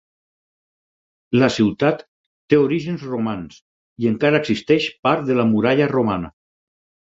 La ciutat té orígens romans i encara existeix part de la muralla romana.